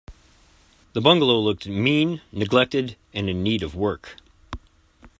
The bungalow looked mean, neglected, and in need of work.